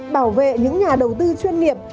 bảo vệ những nhà đầu tư chuyên nghiệp